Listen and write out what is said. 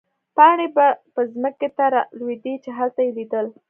پاڼې به مځکې ته رالوېدې، چې هلته يې لیدل.